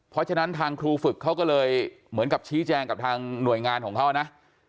เพราะฉะนั้นทางครูฝึกเขาก็เลยเหมือนกับชี้แจงกับทางหน่วยงานของเขานะ